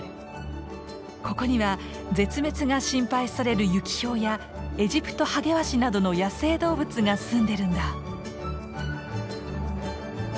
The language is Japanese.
ここには絶滅が心配されるユキヒョウやエジプトハゲワシなどの野生動物がすんでるんだ。